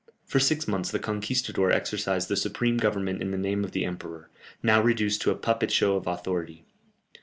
For six months the "Conquistador" exercised the supreme government in the name of the emperor, now reduced to a puppet show of authority.